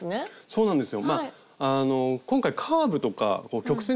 そうなんです。